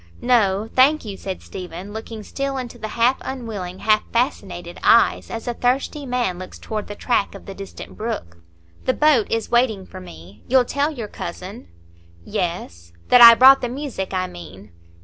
"No, thank you," said Stephen, looking still into the half unwilling, half fascinated eyes, as a thirsty man looks toward the track of the distant brook. "The boat is waiting for me. You'll tell your cousin?" "Yes." "That I brought the music, I mean?"